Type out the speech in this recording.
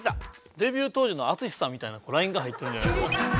デビュー当時のＡＴＳＵＳＨＩさんみたいなラインが入ってるんじゃないですか。